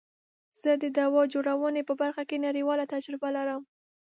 زه د دوا جوړونی په برخه کی نړیواله تجربه لرم.